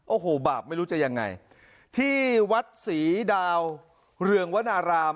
โอ้โหบาปไม่รู้จะยังไงที่วัดศรีดาวเรืองวนาราม